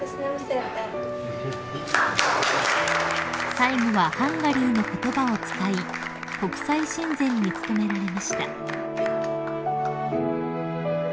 ［最後はハンガリーの言葉を使い国際親善に努められました］